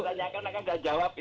kalau ditanyakan akan nggak jawab